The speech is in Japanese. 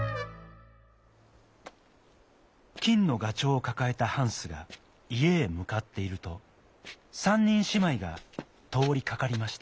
金のがちょうをかかえたハンスがいえへむかっていると３にんしまいがとおりかかりました。